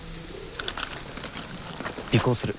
尾行する。